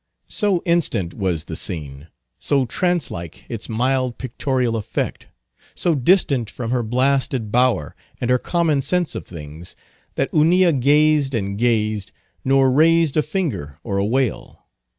So instant was the scene, so trance like its mild pictorial effect, so distant from her blasted bower and her common sense of things, that Hunilla gazed and gazed, nor raised a finger or a wail.